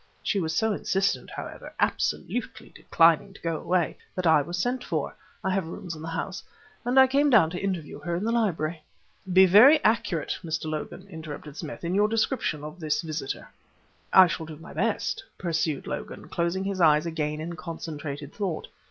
She was so insistent, however, absolutely declining to go away, that I was sent for I have rooms in the house and I came down to interview her in the library." "Be very accurate, Mr. Logan," interrupted Smith, "in your description of this visitor." "I shall do my best," pursued Logan, closing his eyes again in concentrated thought.